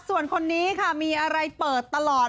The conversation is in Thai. ส่วนคนนี้ค่ะมีอะไรเปิดตลอด